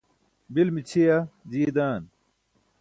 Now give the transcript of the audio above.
bil mićʰiya jiiye dan